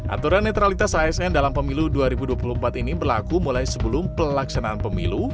aturan netralitas asn dalam pemilu dua ribu dua puluh empat ini berlaku mulai sebelum pelaksanaan pemilu